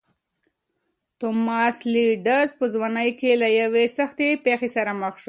توماس لېډز په ځوانۍ کې له یوې سختې پېښې سره مخ شو.